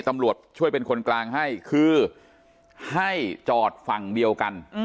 ตำรวจช่วยเป็นคนกลางให้คือให้จอดฝั่งเดียวกัน